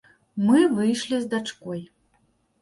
Мы выйшлі з дачкой.